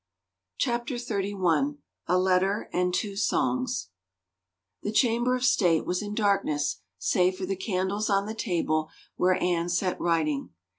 CHAPTER XXXI A LETTER AND TWO SONGS M^^HE chamber of state was in darkness save for M Cj the candles on the table where Anne sat writ ^^^^ ing.